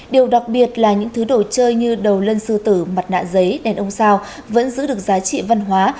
điều đặc biệt là những thứ đồ chơi như đầu lân sư tử mặt nạ giấy đèn ông sao vẫn giữ được giá trị văn hóa